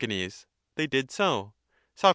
They did so. Soc.